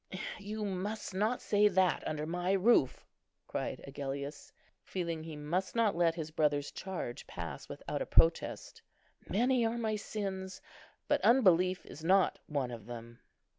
"You must not say that under my roof," cried Agellius, feeling he must not let his brother's charge pass without a protest. "Many are my sins, but unbelief is not one of them."